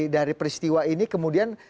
dari peristiwa ini kemudian